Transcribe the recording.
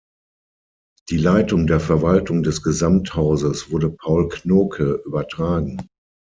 Die Leitung der Verwaltung des Gesamthauses wurde Paul Knoke übertragen.